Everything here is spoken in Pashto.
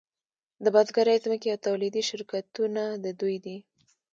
د بزګرۍ ځمکې او تولیدي شرکتونه د دوی دي